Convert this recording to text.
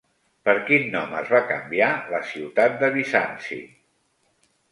Per quin nom es va canviar la ciutat de Bizanci?